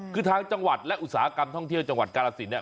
คือทางจังหวัดและอุตสาหกรรมท่องเที่ยวจังหวัดกาลสินเนี่ย